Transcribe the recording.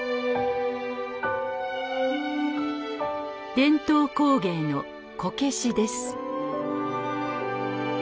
伝統工芸のこけしです。